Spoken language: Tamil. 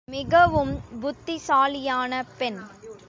மிகவும் புத்திசாலியான பெண்.